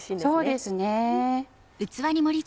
そうですね。